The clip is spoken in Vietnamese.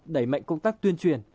đẩy mạnh công tác tuyên truyền